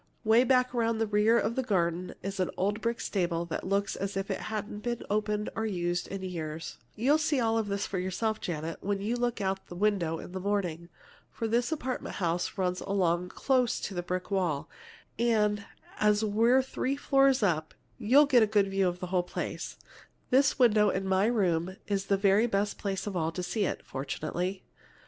'Way back at the rear of the garden is an old brick stable that looks as if it hadn't been opened or used in years. "You'll see all this yourself, Janet, when you look out of the window in the morning. For this apartment house runs along close to the brick wall, and as we're three floors up, you get a good view of the whole place. This window in my room is the very best place of all to see it fortunately.